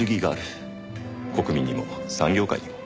国民にも産業界にも。